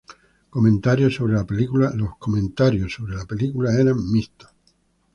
Comentarios sobre la película eran mixtos.